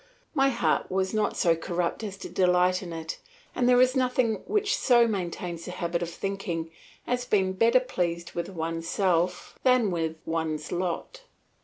My heart was not so corrupt as to delight in it, and there is nothing which so maintains the habit of thinking as being better pleased with oneself than with one's lot.